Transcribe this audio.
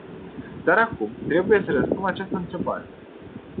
Dar acum trebuie să răspund la această întrebare.